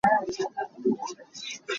Na tihal a riamh tiangin na din lai.